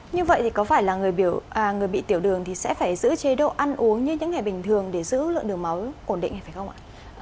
như vậy thì có phải là người bị tiểu đường thì sẽ phải giữ chế độ ăn uống như những ngày bình thường để giữ lượng đường máu ổn định này phải không ạ